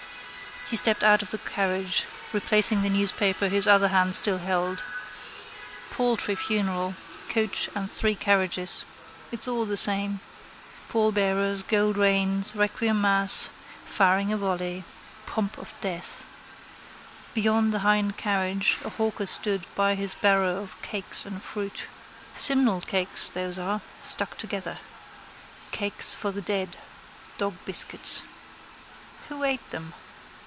He stepped out of the carriage, replacing the newspaper his other hand still held. Paltry funeral: coach and three carriages. It's all the same. Pallbearers, gold reins, requiem mass, firing a volley. Pomp of death. Beyond the hind carriage a hawker stood by his barrow of cakes and fruit. Simnel cakes those are, stuck together: cakes for the dead. Dogbiscuits. Who ate them?